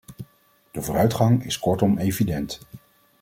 De vooruitgang is kortom evident.